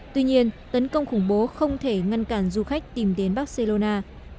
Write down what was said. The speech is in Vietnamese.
tuy nhiên tấn công khủng bố không thể ngăn cản du khách tìm đến barcelona